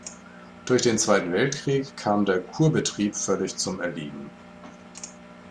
Durch den Zweiten Weltkrieg kam der Kurbetrieb völlig zum Erliegen.